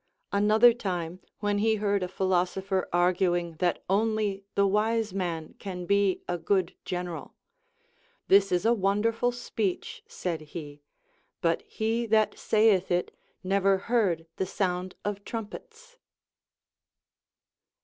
Another time, Λνΐιοη he heard a philosopher arguing that only the wise man can be a good general, This is a wonderful speech, said he, but he that saitli it never heard the sound of trumpets.